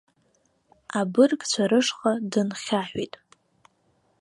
Абыргцәа рышҟа дынхьаҳәит.